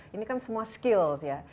ini kan semua skills ya